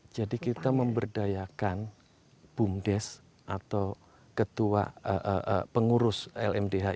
jadi kita memberdayakan bumdes atau ketua pengurus lmdh ini